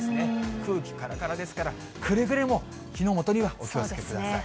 空気からからですから、くれぐれも火の元にはお気をつけください。